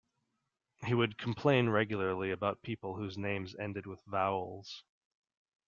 He would complain regularly about people whose names ended with vowels.